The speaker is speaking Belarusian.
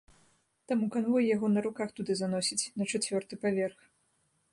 Таму канвой яго на руках туды заносіць, на чацвёрты паверх.